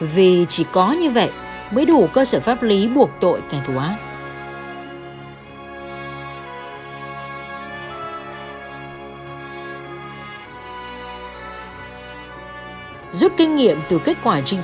vì chỉ có như vậy mới đủ cơ sở pháp lý buộc tội kẻ thù ác